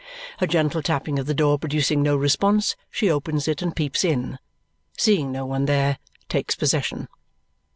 Her gentle tapping at the door producing no response, she opens it and peeps in; seeing no one there, takes possession.